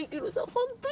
本当に。